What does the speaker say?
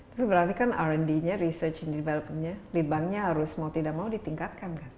tapi berarti kan r d nya research and development nya lead bank nya harus mau tidak mau ditingkatkan kan